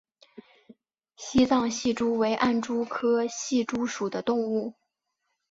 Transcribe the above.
西藏隙蛛为暗蛛科隙蛛属的动物。